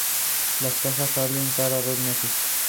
La sede del condado y su mayor ciudad es Hillsboro.